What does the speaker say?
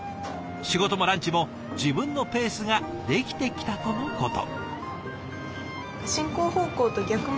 仕事もランチも自分のペースが出来てきたとのこと。